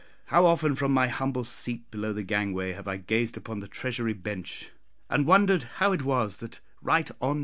how often, from my humble seat below the gangway, have I gazed upon the Treasury Bench, and wondered how it was that right hon.